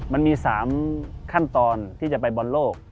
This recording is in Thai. มันมี๓ขั้นตอนที่จะไปบอลโลก